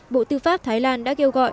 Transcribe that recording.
bộ tư pháp thái lan đã kêu gọi